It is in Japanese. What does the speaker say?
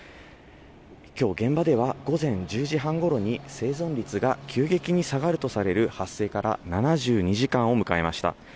きょう、現場では午前１０時半ごろに、生存率が急激に下がるとされる、発生から７２時間を迎えました。